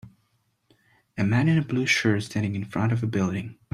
a man in a blue shirt standing in front of a building